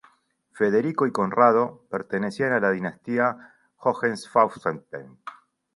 Federico y Conrado pertenecían a la Dinastía Hohenstaufen.